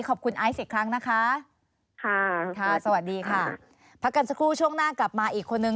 ไอซ์อีกครั้งนะคะค่ะสวัสดีค่ะพักกันสักครู่ช่วงหน้ากลับมาอีกคนนึง